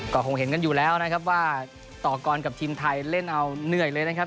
ก็คงเห็นกันอยู่แล้วนะครับว่าต่อกรกับทีมไทยเล่นเอาเหนื่อยเลยนะครับ